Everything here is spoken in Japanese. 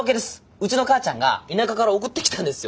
うちの母ちゃんが田舎から送ってきたんですよ。